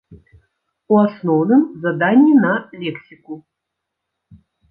У асноўным, заданні на лексіку.